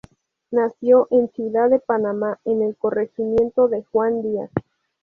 Nació en Ciudad de Panamá, en el corregimiento de Juan Díaz.